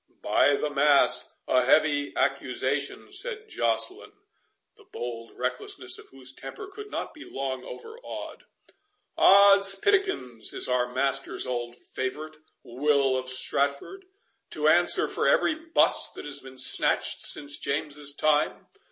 "By the mass, a heavy accusation," said Joceline, the bold recklessness of whose temper could not be long overawed; "Odds pitlikins, is our master's old favourite, Will of Stratford, to answer for every buss that has been snatched since James's time?